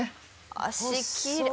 脚きれい。